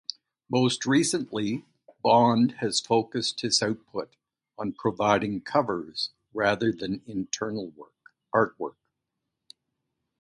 Most recently, Bond has focused his output on providing covers, rather than internal artwork.